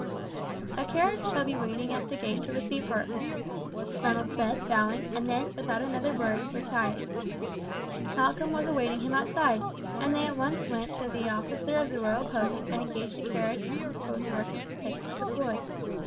"A carriage shall be in waiting at the gate to receive her," Ronald said, bowing, and then, without another word, retired. Malcolm was awaiting him outside, and they at once went to the officer of the royal post and engaged a carriage and post horses to take them to Blois.